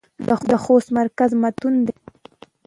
د خوست مرکز متون دى.